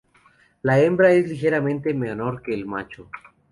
La hembra es ligeramente menor que el macho.